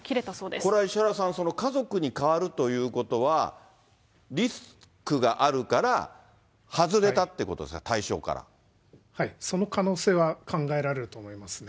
これは石原さん、家族に代わるということは、リスクがあるから、はい、その可能性は考えられると思いますね。